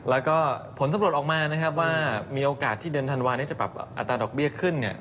แล้วก็ผลสำรวจออกมานะครับว่ามีโอกาสที่เดือนธันวานี้จะปรับอัตราดอกเบี้ยขึ้น